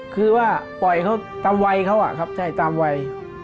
คือว่าปล่อยเขาตามวัยเขาอะครับใช่ตามวัย